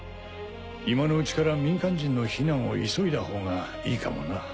今のうちから民間人の避難を急いだほうがいいかもな。